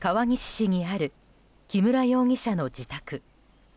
市にある木村容疑者の自宅。